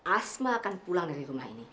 asma akan pulang dari rumahnya